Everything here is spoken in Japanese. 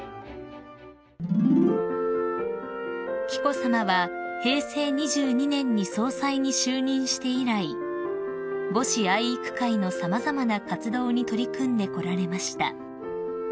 ［紀子さまは平成２２年に総裁に就任して以来母子愛育会の様々な活動に取り組んでこられました］